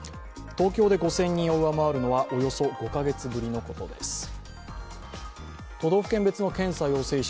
東京で５０００人を上回るのはおよそ５カ月ぶりのことです。